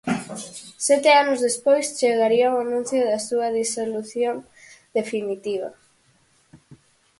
Sete anos despois chegaría o anuncio da súa disolución definitiva.